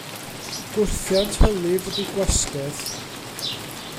Gwrthiant hylif ydy gwasgedd.